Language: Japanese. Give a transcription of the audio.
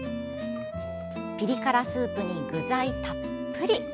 ピリ辛スープに具材たっぷり。